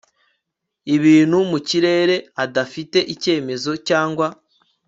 ibintu mu kirere adafite icyemezo cyangwa